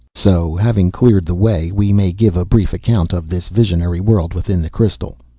So having cleared the way, we may give a brief account of this visionary world within the crystal.